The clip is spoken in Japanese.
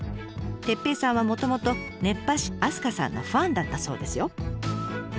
哲平さんはもともと熱波師明日香さんのファンだったそうですよ。